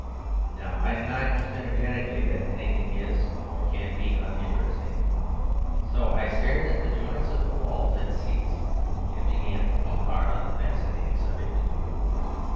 Now I deny most energetically that anything is, or can be, uninteresting. So I stared at the joints of the walls and seats, and began thinking hard on the fascinating subject of wood.